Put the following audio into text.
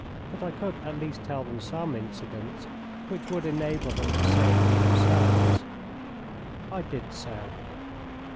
But I could at least tell them some incidents which would enable them to say it for themselves. I did so.